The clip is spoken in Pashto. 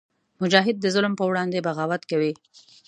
مجاهد د ظلم پر وړاندې بغاوت کوي.